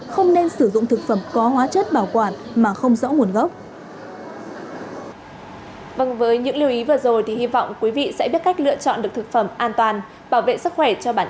không nên sử dụng thực phẩm có hóa chất bảo quản mà không rõ nguồn gốc